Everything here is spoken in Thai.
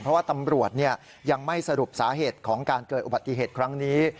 เพราะว่าตำรวจยังไม่สรุปสาเหตุของการเกิดอุบัติเหตุครั้งนี้